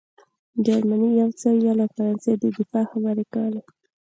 جرمني یو څه ویل او فرانسې د دفاع خبرې کولې